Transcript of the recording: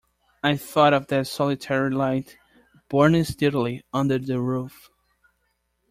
I thought of that solitary light burning steadily under the roof.